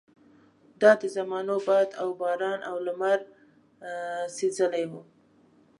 دا د زمانو باد او باران او لمر سېزلي وو.